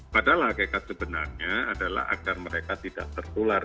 padahal hakikat sebenarnya adalah agar mereka tidak tertular